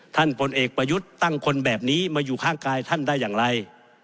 ผลเอกประยุทธ์ตั้งคนแบบนี้มาอยู่ข้างกายท่านได้อย่างไร